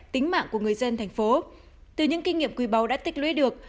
tính mạng của người dân thành phố từ những kinh nghiệm quý báu đã tích lũy được